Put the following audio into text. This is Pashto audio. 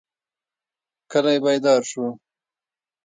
کلی بیدار شو.